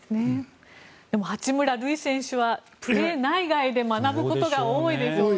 でも八村塁選手はプレー内外で学ぶことが多いでしょうね。